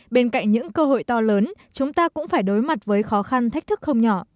bên cạnh những cơ hội to lớn chúng ta cũng phải đối mặt với khó khăn thách thức không nhỏ